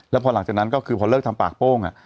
แล้วพอหลังจากนั้นก็คือพอเลิกทำปากโป้ง